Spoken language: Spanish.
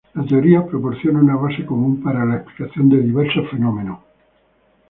La teoría proporciona una base común para la explicación de diversos fenómenos.